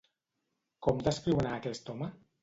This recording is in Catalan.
Com descriuen a aquest home?